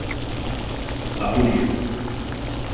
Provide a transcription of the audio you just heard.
A única.